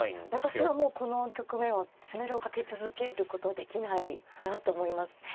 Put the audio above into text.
私はもうこの局面は詰めろをかけ続けることできないなと思いますね。